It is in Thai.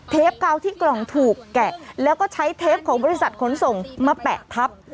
กาวที่กล่องถูกแกะแล้วก็ใช้เทปของบริษัทขนส่งมาแปะทับ